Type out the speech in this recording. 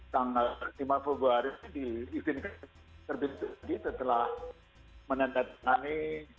tanggal lima februari diizinkan terbentuk lagi setelah menandatangani